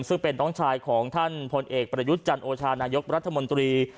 ซึ่งเป็นน้องชายของท่านพลเอกประยุทธ์จันโอชานายกรัฐมนตรี